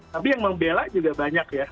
tapi yang membela juga banyak ya